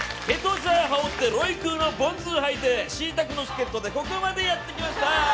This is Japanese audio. ケトジャ羽織ってロイクーのボンズーはいてシータクのチケットでここまでやって来ました。